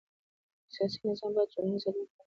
سیاسي نظام باید ټولنیز عدالت تأمین کړي